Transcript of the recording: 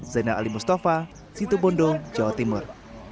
zainal ali mustafa situbondo jawa timur